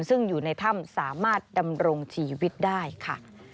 ซึ่งอยู่ในถ้ำสามารถดำรงชีวิตได้ค่ะ